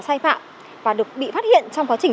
sai phạm và được bị phát hiện trong quá trình